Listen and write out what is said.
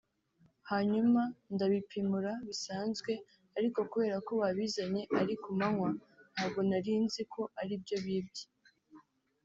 hanyuma ndabipimura bisanzwe ariko kubera ko babizanye ari ku manywa ntabwo narinzi ko aribyo bibye